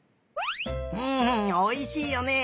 んおいしいよね！